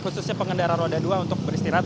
khususnya pengendara roda dua untuk beristirahat